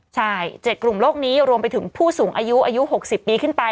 ใช่๗กลุ่มโลกนี้รวมไปถึงผู้สูงอายุอายุ๖๐ปีขึ้นไป